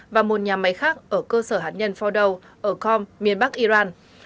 và một nhà máy khác ở cơ sở hạt nhân fordow ở com miền bắc iran